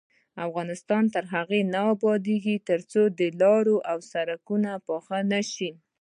افغانستان تر هغو نه ابادیږي، ترڅو لارې او سرکونه پاخه نشي.